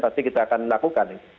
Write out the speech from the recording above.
pasti kita akan lakukan